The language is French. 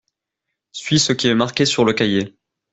Suis ce qui est marqué sur le cahier.